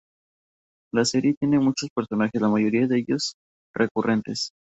La serie tiene muchos personajes, la mayoría de ellos recurrentes.